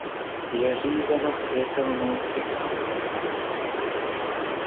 Je řízena světelnou signalizací.